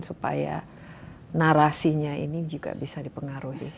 supaya narasinya ini juga bisa dipengaruhi